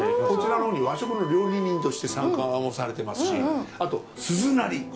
こちらのほうに和食の料理人として参加をされてますしあと鈴なり